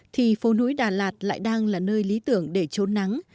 thì phố núi đà lạt lại đang là nơi lý tưởng để trốn nắng